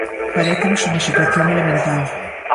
Parécenos unha situación elemental.